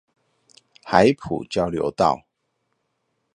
海埔交流道